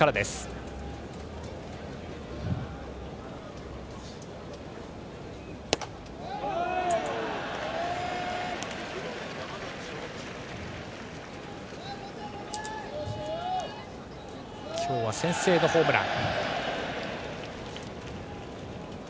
森、今日は先制のホームラン。